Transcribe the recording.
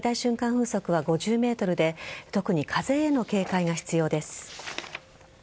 風速は５０メートルで特に風への警戒が必要です。